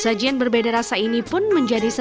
sajian berbeda rasa ini pun menjadi